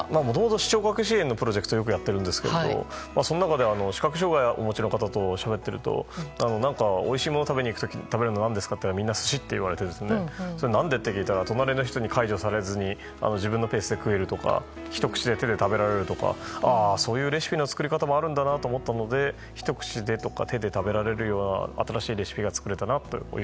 視聴覚支援のプロジェクトをやっていてその中で視覚障害をお持ちの方としゃべっているとおいしいものを食べるのなんですかって聞くとみんな寿司って言われて何でと聞くと隣の人に介助されず自分のペースで食えるとかひと口で手で食べられるとかそういうレシピの作り方もあるんだなと思ったので一口でとか手で食べられる新しいレシピをと。